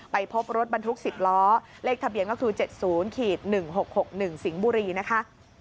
ไปพบรถบรรทุก๑๐ล้อเลขทะเบียนก็คือ๗๐๑๖๖๑สิงห์บุรีนะคะ